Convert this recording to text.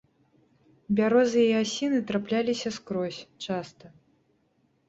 Бярозы і асіны трапляліся скрозь, часта.